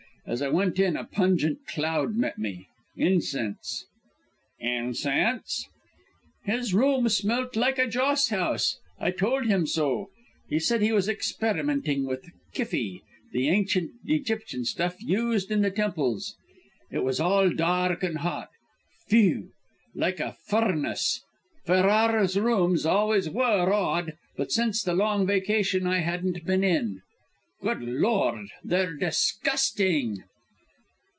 As I went in, a pungent cloud met me incense." "Incense?" "His rooms smelt like a joss house; I told him so. He said he was experimenting with Kyphi the ancient Egyptian stuff used in the temples. It was all dark and hot; phew! like a furnace. Ferrara's rooms always were odd, but since the long vacation I hadn't been in. Good lord, they're disgusting!"